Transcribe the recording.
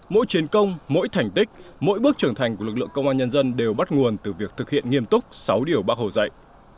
mỗi chiến công mỗi thành tích mỗi bước trưởng thành của lực lượng công an nhân dân đều bắt nguồn từ việc thực hiện nghiêm túc sáu điều bác hồ dạy